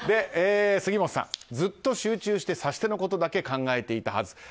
杉本さん、ずっと集中して指し手のことだけ考えていたはず。